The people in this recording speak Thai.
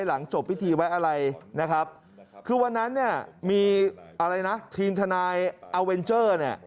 หลังจบพิธีไว้อะไรนะครับคือวันนั้นมีทีมทนายอาเวนเจอร์